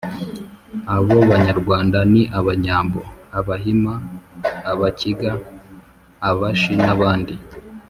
Abo banyarwanda ni Abanyambo, Abahima, Abakiga, Abashi n'abandi.